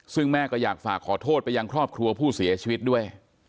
ซึ่งแม่ก็อยากฝากขอโทษไปยังครอบครัวผู้เสียชีวิตด้วย